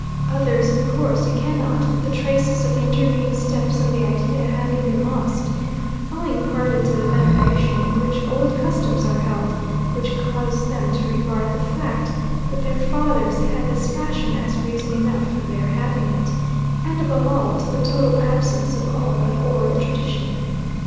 Others, of course, you cannot, the traces of the intervening steps of the idea having been lost, owing partly to the veneration in which old customs are held, which causes them to regard the fact that their fathers had this fashion as reason enough for their having it, and above all to the total absence of all but oral tradition.